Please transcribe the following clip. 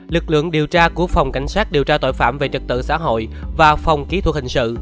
lực lượng điều tra của phòng cảnh sát điều tra tội phạm về trật tự xã hội và phòng kỹ thuật hình sự